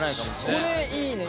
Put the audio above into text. これいいね。